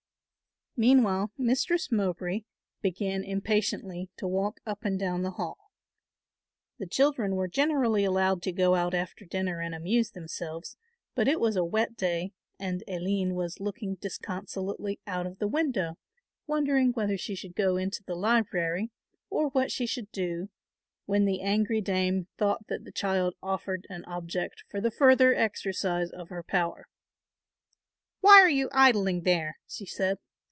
Meanwhile Mistress Mowbray began impatiently to walk up and down the hall. The children were generally allowed to go out after dinner and amuse themselves, but it was a wet day and Aline was looking disconsolately out of the window wondering whether she should go into the library or what she should do, when the angry dame thought that the child offered an object for the further exercise of her power. "Why are you idling there?" she said.